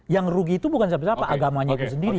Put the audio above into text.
yang rugi itu bukan siapa siapa agamanya itu sendiri